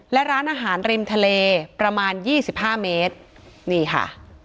และร้านอาหารริมทะเลประมาณ๒๕เมตรนี่ค่ะ